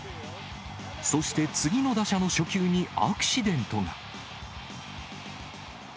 そして次の打者の初球にアクシデントが。